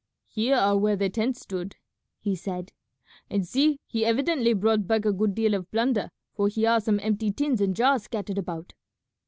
"Here are where the tents stood," he said; "and see, he evidently brought back a good deal of plunder, for here are some empty tins and jars scattered about."